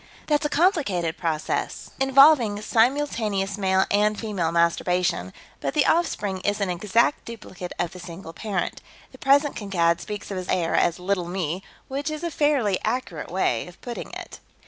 That's a complicated process, involving simultaneous male and female masturbation, but the offspring is an exact duplicate of the single parent. The present Kankad speaks of his heir as 'Little Me,' which is a fairly accurate way of putting it."